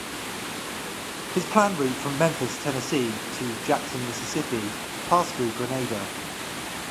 His planned route from Memphis, Tennessee to Jackson, Mississippi, passed through Grenada.